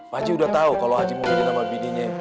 pak aji udah tau kalau haji muhyiddin sama bininya